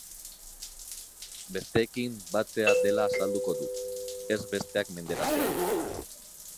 Besteekin batzea dela azalduko du, ez besteak menderatzea.